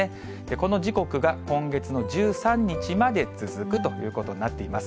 この時刻が今月の１３日まで続くということになっています。